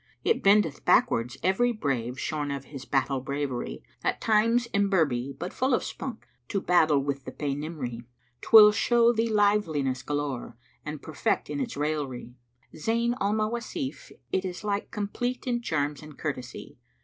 It bendeth backwards every brave * Shorn of his battle bravery. At times imberbe, but full of spunk * To battle with the Paynimry. 'T will show thee liveliness galore * And perfect in its raillery: Zayn al Mawasif it is like * Complete in charms and courtesy.